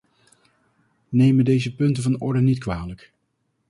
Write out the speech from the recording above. Neem me deze punten van orde niet kwalijk.